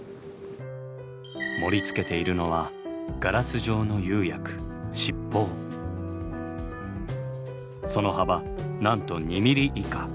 盛りつけているのはガラス状の釉薬その幅なんと２ｍｍ以下。